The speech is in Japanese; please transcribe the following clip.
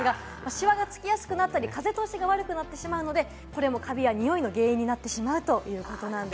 シワがつきやすくなったり、風通しが悪くなってしまうので、これもカビやにおいの原因になってしまうということです。